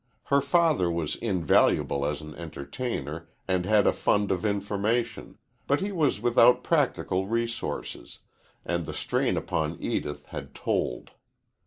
Her father was invaluable as an entertainer and had a fund of information, but he was without practical resources, and the strain upon Edith had told.